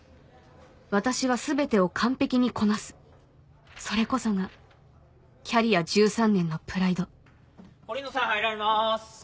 私は全てを完璧にこなすそれこそがキャリア１３年のプライド堀野さん入られます。